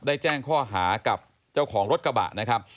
แจ้งข้อหากับเจ้าของรถกระบะนะครับ